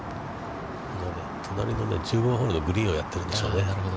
隣の１０番ホールのグリーンでやっているんでしょうね。